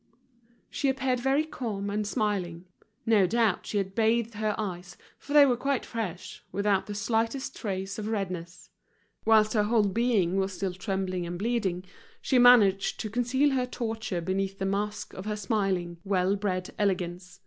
She appeared very calm and smiling. No doubt she had bathed her eyes, for they were quite fresh, without the slightest trace of redness. Whilst her whole being was still trembling and bleeding, she managed to conceal her torture beneath the mask of her smiling, well bred elegance.